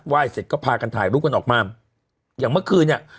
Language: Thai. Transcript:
ยเสร็จก็พากันถ่ายรูปกันออกมาอย่างเมื่อคืนเนี้ย